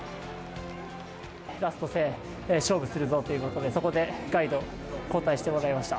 ラスト１０００、勝負するぞということで、そこでガイド、交代してもらいました。